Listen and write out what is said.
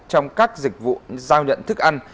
trong các dịch vụ giao nhận thức ăn